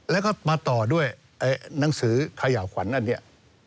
แล้วก็มาต่อด้วยหนังสือเขย่าขวัญอันนี้